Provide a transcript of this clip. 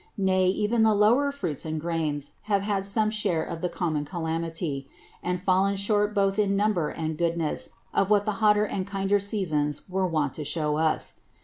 Nay, even the lower Fruits and Grains have had some share in the common Calamity; and fallen short both in Number and Goodness of what the hotter and kinder Seasons were wont to shew us.